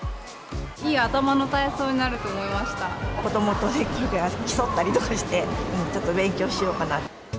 いい頭の体操になると思いま子どもと競ったりとかして、ちょっと勉強しようかな。